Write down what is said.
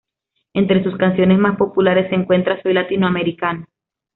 Entre sus canciones más populares se encuentra "Soy latinoamericano".